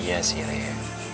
iya sih ria